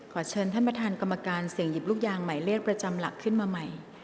เชิญท่านประธานกรรมการเสี่ยงหยิบลูกยางหมายเลขประจำหลักขึ้นมาใหม่